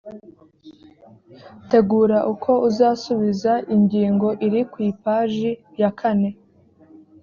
tegura uko uzasubiza ingingo iri ku ipaji ya kane